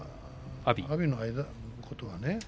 阿炎のことはね。